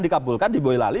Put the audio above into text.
dikabulkan di boylali